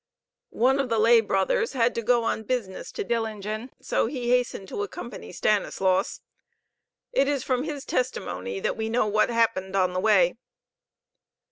One of the lay brothers had to go on business to Dillingen, so he hastened to accompany Stanislaus. It is from his testimony that we know what happened on the way.